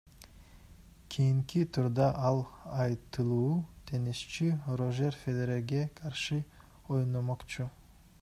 Кийинки турда ал айтылуу теннисчи Рожер Федерерге каршы ойномокчу.